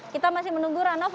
kita masih menunggu ranoff